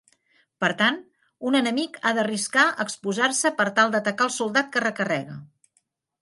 Per tant, un enemic ha d'arriscar exposar-se per tal d'atacar el soldat que recarrega.